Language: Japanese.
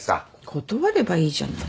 断ればいいじゃない。